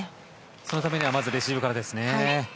そのためにはまずはレシーブからですね。